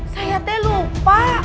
saya teh lupa